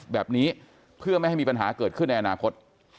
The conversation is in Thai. แบบนี้เพื่อไม่ให้มีปัญหาเกิดขึ้นในอนาคต